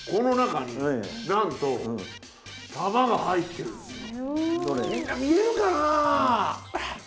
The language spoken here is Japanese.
みんな見えるかな。